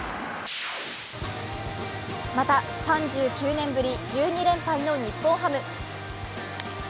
また、３９年ぶり１２連敗の日本ハム。